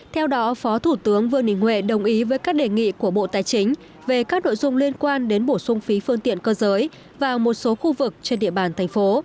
theo đó phó thủ tướng vương đình huệ đồng ý với các đề nghị của bộ tài chính về các nội dung liên quan đến bổ sung phí phương tiện cơ giới vào một số khu vực trên địa bàn thành phố